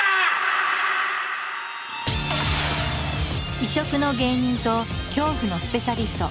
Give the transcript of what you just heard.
異色の芸人と恐怖のスペシャリスト。